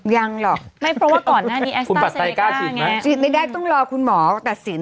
ยังหรอกไม่เพราะว่าก่อนหน้านี้แอสต้าเซเนก้าไงฉีดไม่ได้ต้องรอคุณหมอตัดสิน